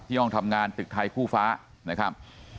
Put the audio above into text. ห้องทำงานตึกไทยคู่ฟ้านะครับ